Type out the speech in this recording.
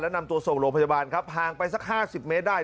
นำตัวส่งโรงพยาบาลครับห่างไปสัก๕๐เมตรได้